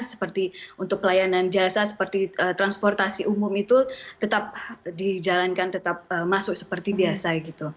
seperti untuk pelayanan jasa seperti transportasi umum itu tetap dijalankan tetap masuk seperti biasa